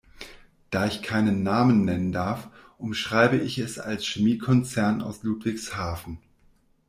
Da ich keine Namen nennen darf, umschreibe ich es als Chemiekonzern aus Ludwigshafen.